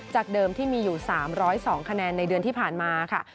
เดิมที่มีอยู่๓๐๒คะแนนในเดือนที่ผ่านมาค่ะ